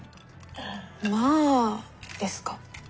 「まああ」ですか。